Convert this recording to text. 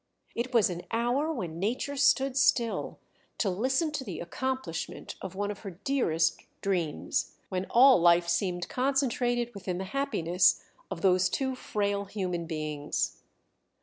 It was an hour when Nature stood still to listen to the accomplishment of one of her dearest dreams when all life seemed concentrated within the happiness of those two frail human beings....